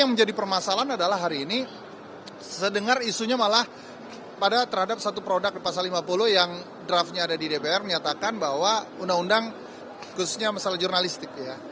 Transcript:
yang menjadi permasalahan adalah hari ini saya dengar isunya malah pada terhadap satu produk pasal lima puluh yang draftnya ada di dpr menyatakan bahwa undang undang khususnya masalah jurnalistik ya